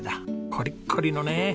コリッコリのね。